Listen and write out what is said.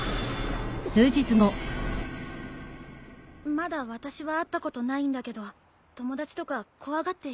まだ私は会ったことないんだけど友達とか怖がって引っ越しちゃって。